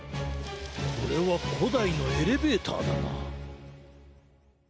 これはこだいのエレベーターだな。